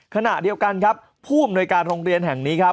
ขณะเดียวกันครับผู้อำนวยการโรงเรียนแห่งนี้ครับ